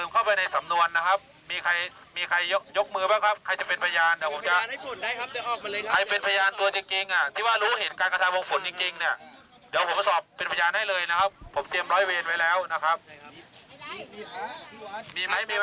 ขอบใจการให้เลยนะครับผมเตรียมรอยเวลไว้แล้วนะครับ